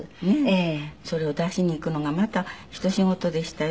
それを出しにいくのがまたひと仕事でしたよ。